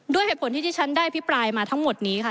ด้วยเหตุผลที่ที่ฉันได้พิปรายมาทั้งหมดนี้ค่ะ